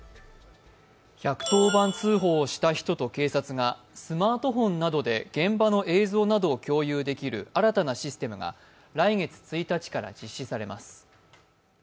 １１０番通報をした人と警察がスマートフォンなどで現場の映像などを共有できる新たなシステムが来月１日から実施されます。